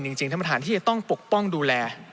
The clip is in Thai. จริงท่านประธานที่จะต้องปกป้องดูแล